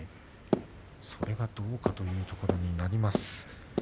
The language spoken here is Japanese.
それがどうか、というところもあります。